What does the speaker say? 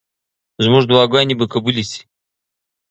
زموږ دعاګانې به قبولې شي.